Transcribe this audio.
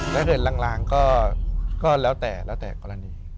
ถ้าเห็นลางก็แล้วแต่กรณี